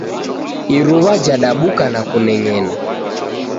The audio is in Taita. Iruwa jadabuka na kuneng'ena.